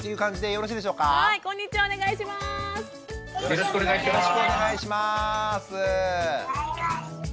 よろしくお願いします。